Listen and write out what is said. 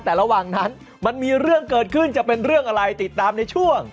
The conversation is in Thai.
แต่ระหว่างนั้นมันมีเรื่องเกิดขึ้นจะเป็นเรื่องอะไรติดตามในช่วง